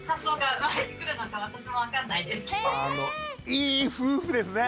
いい夫婦ですね。ね！